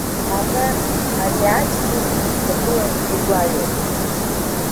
Абар, ари аџьгьы унҭагылартә игәаҩоуп.